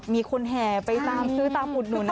มีคนแห่ไปตามซื้อตามอุดหนุน